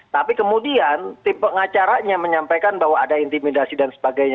tapi kemudian tim pengacaranya menyampaikan bahwa ada intimidasi dan sebagainya